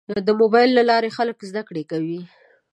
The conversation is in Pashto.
د موبایل له لارې خلک زده کړه کوي.